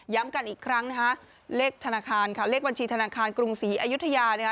ย้ำกันอีกครั้งนะคะเลขบัญชีธนาคารกรุงศรีอยุธยานะคะ